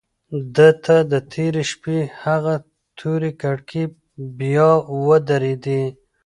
ده ته د تېرې شپې هغه تورې کړکۍ بیا ودرېدې.